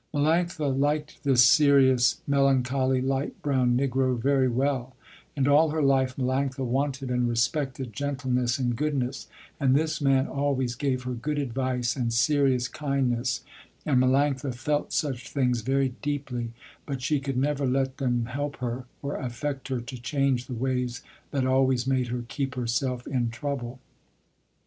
Melanctha liked this serious, melancholy light brown negro very well, and all her life Melanctha wanted and respected gentleness and goodness, and this man always gave her good advice and serious kindness, and Melanctha felt such things very deeply, but she could never let them help her or affect her to change the ways that always made her keep herself in trouble.